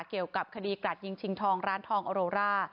เกี่ยวกับคดีกราดยิงชิงทองร้านทองออโรร่า